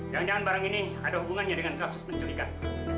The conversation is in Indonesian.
jangan jangan barang ini ada hubungannya dengan transis pencurigaan